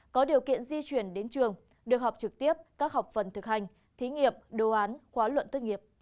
có điều kiện di chuyển đến trường được học trực tiếp các học phần thực hành thí nghiệm đồ án khóa luận tốt nghiệp